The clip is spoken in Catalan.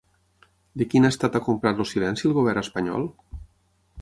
De quin estat ha comprat el silenci el govern espanyol?